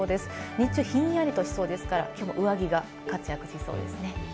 日中ひんやりしそうですから、今日は上着が活躍しそうですね。